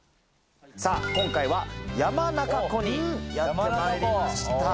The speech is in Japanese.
今回は山中湖にやってまいりました。